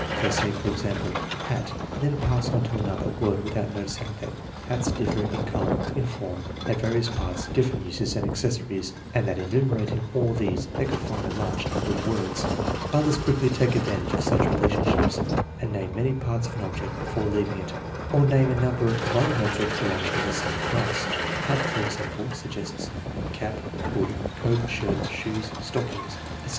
They say, for example, hat, and then pass on to another word without noticing that hats differ in color, in form, have various parts, different uses and accessories, and that in enumerating all these they could find a large number of words." Others quickly take advantage of such relationships and name many parts of an object before leaving it, or name a number of other objects belonging to the same class. Hat, for example, suggests cap, hood, coat, shirt, shoes, stockings, etc.